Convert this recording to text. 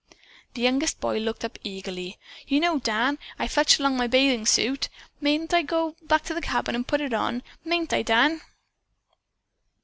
The youngest boy looked up eagerly. "You know, Dan, I fetched along my bathing suit. Mayn't I go back to the cabin and put it on? Mayn't I, Dan?"